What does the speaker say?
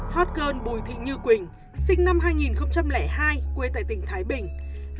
hot girl bùi thị như quỳnh sinh năm hai nghìn hai quê tại tỉnh thái bình